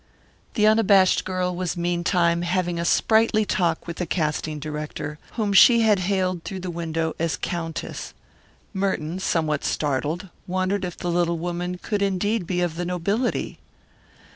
The unabashed girl was meantime having sprightly talk with the casting director, whom she had hailed through the window as Countess. Merton, somewhat startled, wondered if the little woman could indeed be of the nobility.